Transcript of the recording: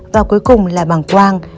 và cuối cùng là bảng quang